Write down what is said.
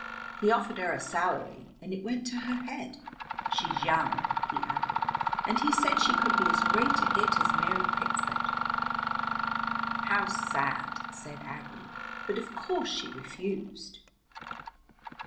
He offered her a salary, and it went to her head. She's young," he added, "and he said she could be as great a hit as Mary Pickford." "How sad!" said Aggie. "But of course she refused?"